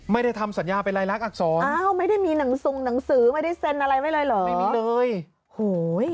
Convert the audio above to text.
ไม่ได้ทำสัญญาไปรายลักษณ์อักษรไม่ได้มีหนังสงฆ์หนังสือไม่ได้เซ็นอะไรไม่เลยเหรอ